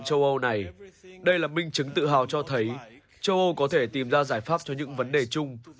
châu âu này đây là minh chứng tự hào cho thấy châu âu có thể tìm ra giải pháp cho những vấn đề chung